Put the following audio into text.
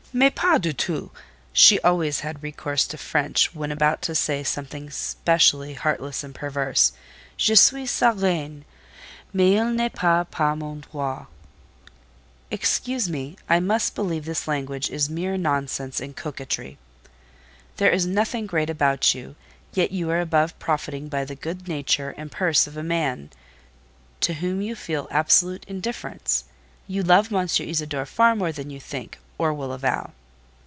"Mais pas du tout!" (she always had recourse to French when about to say something specially heartless and perverse). "Je suis sa reine, mais il n'est pas mon roi." "Excuse me, I must believe this language is mere nonsense and coquetry. There is nothing great about you, yet you are above profiting by the good nature and purse of a man to whom you feel absolute indifference. You love M. Isidore far more than you think, or will avow."